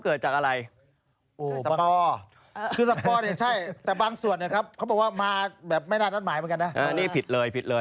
ที่ทำให้รู้ว่ารักเธอเท่าไหร่